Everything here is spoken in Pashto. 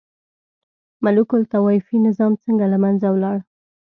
ملوک الطوایفي نظام څنګه له منځه ولاړ؟